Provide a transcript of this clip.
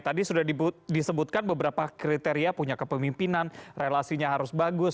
tadi sudah disebutkan beberapa kriteria punya kepemimpinan relasinya harus bagus